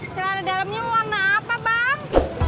celana dalamnya mohon apa bang